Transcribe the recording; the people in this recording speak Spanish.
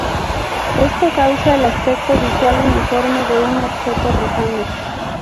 Esto causa el aspecto visual uniforme de un objeto rotando.